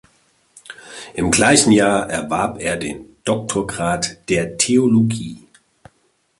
Im gleichen Jahr erwarb er den Doktorgrad der Theologie.